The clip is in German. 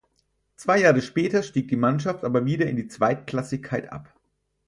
Zwei Jahre später stieg die Mannschaft aber wieder in die Zweitklassigkeit ab.